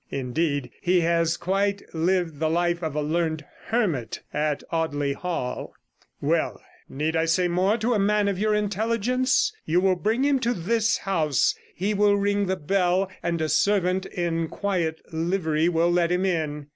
Indeed, he has quite lived the life of a learned hermit at Audley 136 Hall. 'Well, need I say more to a man of your intelligence? You will bring him to this house, he will ring the bell, and a servant in quiet livery will let him in.